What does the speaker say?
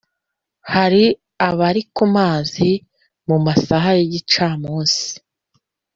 hari abari kumazi mumasaha y’igicamunsi